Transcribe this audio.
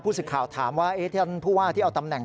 พูดสึกข่าวถามว่าเธอที่เอาตำแหน่ง